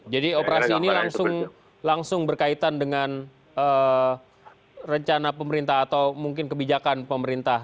jadi operasi ini langsung berkaitan dengan rencana pemerintah atau mungkin kebijakan pemerintah